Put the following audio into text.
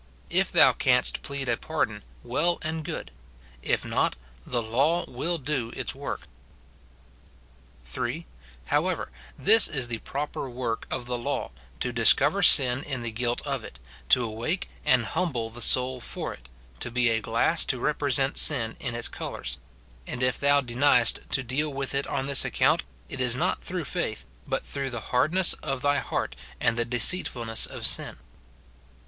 If thou canst plead a pardon, well and good ; if not, the law will do its work. [3.] However, this is the froiper loork of the law, to discover sin in the guilt of it, to awake and humble the soul for it, to be a glass to represent sin in its colours ; and if thou deniest to deal with it on this account, it is not through faith, but through the hardness of thy heart and the deceitfulncss of sin.